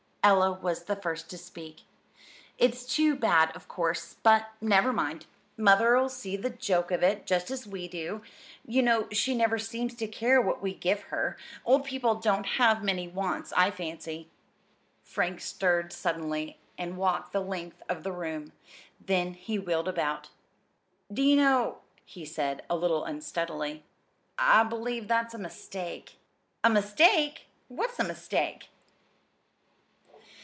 Ella was the first to speak. "It's too bad, of course, but never mind. Mother'll see the joke of it just as we do. You know she never seems to care what we give her. Old people don't have many wants, I fancy." Frank stirred suddenly and walked the length of the room. Then he wheeled about. "Do you know," he said, a little unsteadily, "I believe that's a mistake?" "A mistake? What's a mistake?"